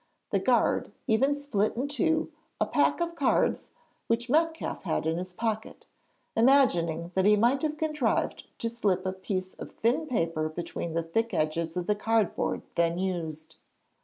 The guard even split in two a pack of cards which Metcalfe had in his pocket, imagining that he might have contrived to slip a piece of thin paper between the thick edges of the cardboard then used.